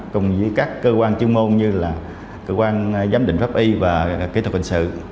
cùng với các cơ quan chuyên môn như là cơ quan giám định pháp y và kỹ thuật hình sự